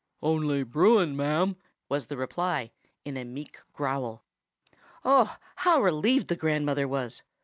"Only Bruin, ma'am," was the reply, in a meek growl. Oh, how relieved the grandmother was!